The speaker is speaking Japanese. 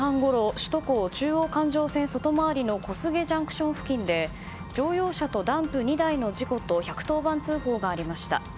首都高中央環状線外回りの小菅ＪＣＴ付近で乗用車とダンプ２台の事故と１１０番通報がありました。